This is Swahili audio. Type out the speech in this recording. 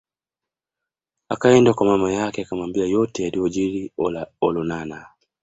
Akaenda kwa mama yake akamwambia yote yaliyojili Olonana